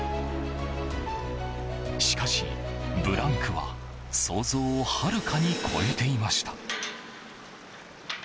しかし、ブランクは想像をはるかに超えていました。